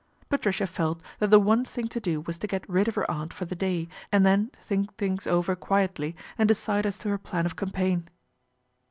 Patricia felt that the one thing to do was to get rid of her aunt for the day and then think things over quietly and decide as to her plan of cam paign.